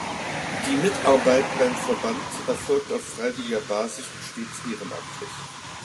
Die Mitarbeit beim Verband erfolgt auf freiwilliger Basis und stets ehrenamtlich.